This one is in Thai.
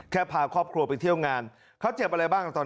พาครอบครัวไปเที่ยวงานเขาเจ็บอะไรบ้างตอน